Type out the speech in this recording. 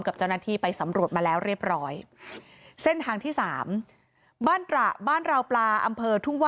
กับเจ้าหน้าที่ไปสำรวจมาแล้วเรียบร้อย